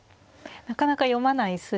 なかなか読まない筋。